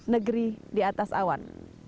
negeri di atas awan